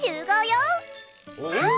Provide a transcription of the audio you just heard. うん！